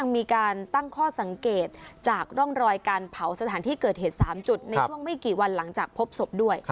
มีการตั้งข้อสังเกตจากร่องรอยการเผาสถานที่เกิดเหตุ๓จุดในช่วงไม่กี่วันหลังจากพบศพด้วย